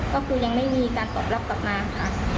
ก็คือยังไม่มีการตอบรับกลับมาค่ะ